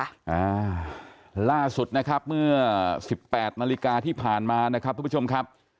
อ่าล่าสุดนะครับเมื่อสิบแปดนาฬิกาที่ผ่านมานะครับทุกผู้ชมครับ